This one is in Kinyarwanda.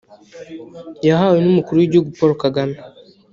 yahawe n’umukuru w’igihugu Paul Kagame